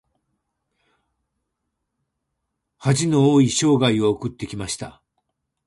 恥の多い生涯を送ってきました。